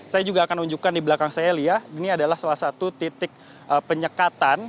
saya juga akan unjukkan di belakang saya lia ini adalah salah satu titik penyekatan